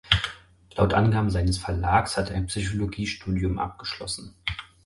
Laut Angaben seines Verlags hat er ein Psychologiestudium abgeschlossen.